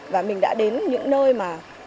và mình đã đến những nơi mà